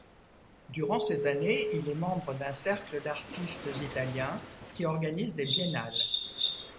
Durant ces années, il est membre d'un cercle d'artistes italiens qui organise des biennales.